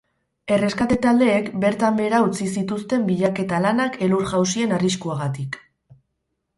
Erreskate taldeek bertan behera utzi zituzten bilaketa lanak elur-jausien arriskuagatik.